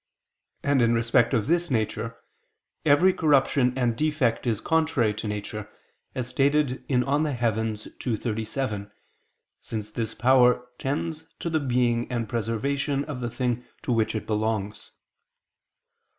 And in respect of this nature, every corruption and defect is contrary to nature, as stated in De Coelo ii, text. 37, since this power tends to the being and preservation of the thing to which it belongs.